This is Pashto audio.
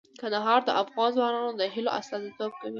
کندهار د افغان ځوانانو د هیلو استازیتوب کوي.